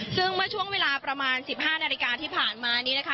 ซึ่งช่วงเวลาประมาณ๑๕นาฬิกาที่ผ่านมา